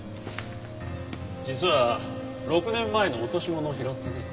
実は６年前の落とし物を拾ってね。